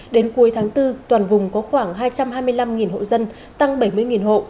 đến cuối tháng bốn toàn vùng có khoảng hai trăm hai mươi năm hộ dân tăng bảy mươi hộ